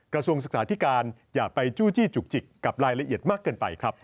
กระทรวงศึกษาธิการอย่าไปจู้จี้จุกจิกกับรายละเอียดมากเกินไปครับ